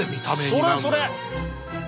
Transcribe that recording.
それそれ。